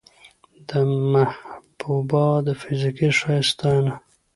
د محبوبا د فزيکي ښايست ستاينه